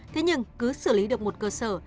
thế nhưng cứ xử lý được một cơ sở